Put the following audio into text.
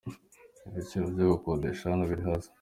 N’ibiciro byo gukodesha hano biri hasi.